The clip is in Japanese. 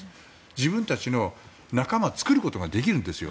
自分たちの仲間を作ることができるんですよ。